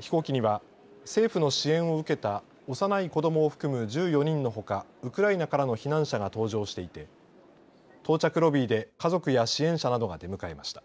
飛行機には政府の支援を受けた幼い子どもを含む１４人のほかウクライナからの避難者が搭乗していて到着ロビーで家族や支援者などが出迎えました。